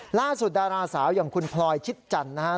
ล่าสุดดาราสาวอย่างคุณพลอยชิดจันทร์นะครับ